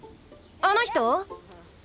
あの人？